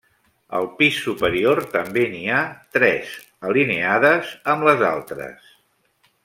Al pis superior també n'hi ha tres, alineades amb les altres.